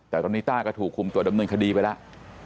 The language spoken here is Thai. แต่ตอนนี้ต้าก็ถูกคุมตัวดำเนินคดีไปแล้ว